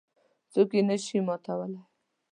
څوک یې نه شي ماتولای.